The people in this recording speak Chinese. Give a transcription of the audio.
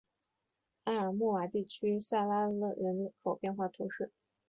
埃尔穆瓦地区拉塞勒人口变化图示